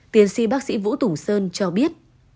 tiến sĩ bác sĩ vũ tùng sơn cho biết